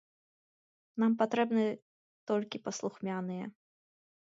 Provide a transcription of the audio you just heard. Нам патрэбны толькі паслухмяныя!